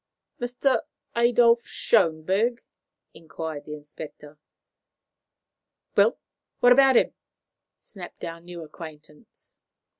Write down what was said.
"Mr. Adolf Schönberg?" inquired the inspector. "Well? What about him?" snapped our new acquaintance.